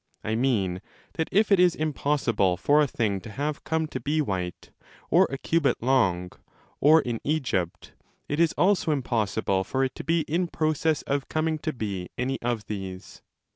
I mean that if it is im possible for a thing to have come to be white, or a cubit long, or in Egypt, it is also impossible for it to be in process of coming to be any of these.